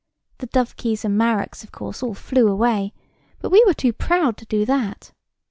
The dovekies and marrocks, of course, all flew away; but we were too proud to do that.